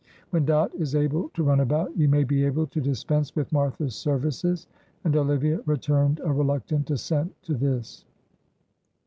When Dot is able to run about, you may be able to dispense with Martha's services," and Olivia returned a reluctant assent to this.